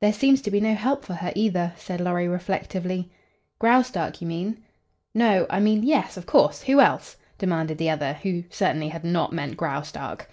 "There seems to be no help for her, either," said Lorry, reflectively. "Graustark, you mean?" "No I mean yes, of course, who else?" demanded the other, who certainly had not meant Graustark.